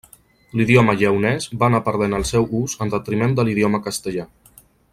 L'idioma lleonès va anar perdent el seu ús en detriment de l'idioma castellà.